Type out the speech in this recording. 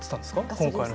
今回の。